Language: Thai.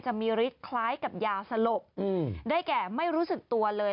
จะมีฤทธิ์คล้ายกับยาสลบได้แก่ไม่รู้สึกตัวเลย